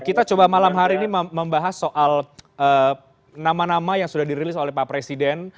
kita coba malam hari ini membahas soal nama nama yang sudah dirilis oleh pak presiden